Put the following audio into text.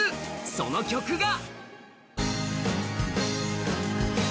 その曲が！